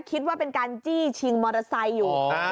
คิดว่าเป็นการจี้ชิงมอเตอร์ไซค์อยู่